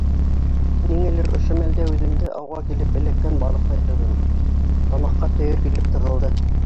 Ниңәлер ошо мәлдә үҙемде ауға килеп эләккән балыҡтай тойҙом. Тамаҡҡа төйөр килеп тығылды.